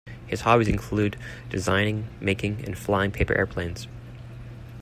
His hobbies include designing, making and flying paper airplanes.